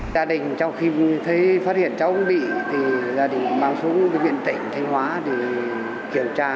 gia đình trong khi thấy phát hiện cháu không bị thì gia đình mang xuống viện tỉnh thanh hóa kiểm tra